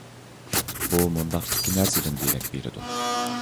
بۇ مۇنداق ئىككى نەرسىدىن دېرەك بېرىدۇ.